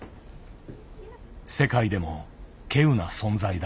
世界でも稀有な存在だ。